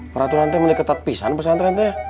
peraturan teh meniketat pisan pesantren teh